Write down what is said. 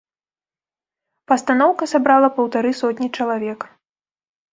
Пастаноўка сабрала паўтары сотні чалавек.